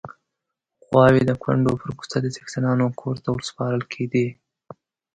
غواوې د کونډو پر کوڅه د څښتنانو کور ته ورسپارل کېدې.